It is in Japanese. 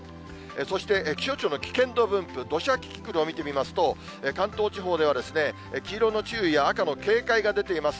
そして気象庁の危険度分布、土砂キキクルを見てみますと、関東地方では、黄色の注意や赤の警戒が出ています。